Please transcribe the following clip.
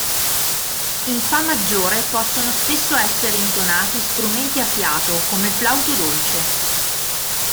In Fa maggiore possono spesso essere intonati strumenti a fiato come il flauto dolce.